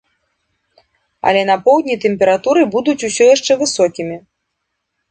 Але на поўдні тэмпературы будуць усё яшчэ высокімі.